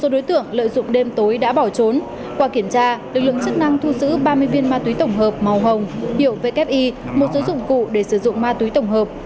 một số đối tượng lợi dụng đêm tối đã bỏ trốn qua kiểm tra lực lượng chức năng thu giữ ba mươi viên ma túy tổng hợp màu hồng hiệu vki một số dụng cụ để sử dụng ma túy tổng hợp